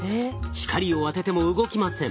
光を当てても動きません。